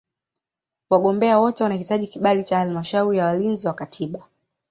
Wagombea wote wanahitaji kibali cha Halmashauri ya Walinzi wa Katiba.